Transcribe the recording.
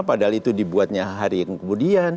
padahal itu dibuatnya hari yang kemudian